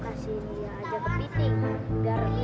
aku kasihin dia aja pepiting garam